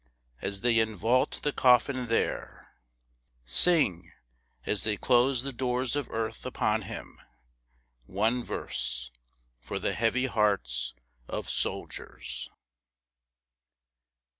As they invault the coffin there, Sing as they close the doors of earth upon him one verse, For the heavy hearts of soldiers.